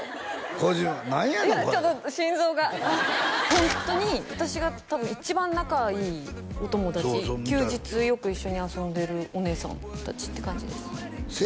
何やねんこれちょっと心臓があっホントに私が多分一番仲いいお友達休日よく一緒に遊んでるお姉さん達って感じですせ